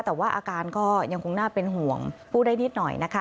แต่ว่าอาการก็ยังคงน่าเป็นห่วงพูดได้นิดหน่อยนะคะ